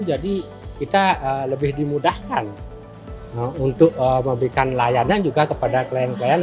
jadi kita lebih dimudahkan untuk memberikan layanan juga kepada klien klien